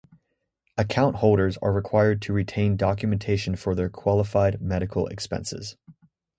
Account holders are required to retain documentation for their qualified medical expenses.